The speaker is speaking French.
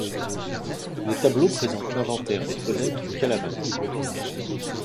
Les tableaux présentent l'inventaire des phonèmes du kalavan.